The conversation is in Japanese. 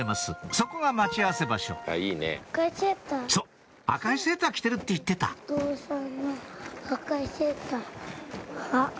そこが待ち合わせ場所そう赤いセーター着てるって言ってたあっ。